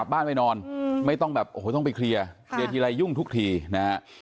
บ้านไปนอนไม่ต้องแบบโอ้โหต้องไปเคลียร์เคลียร์ทีไรยุ่งทุกทีนะฮะ